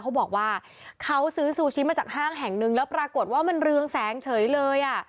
เขาบอกว่าเขาซื้อซูชิมาจากห้างแห่งหนึ่งแล้วปรากฏว่ามันเรืองแสงเฉยเลยอ่ะ